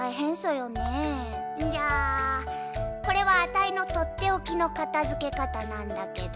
じゃあこれはあたいのとっておきの片づけかたなんだけど。